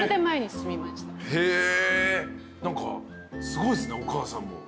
すごいっすねお母さんも。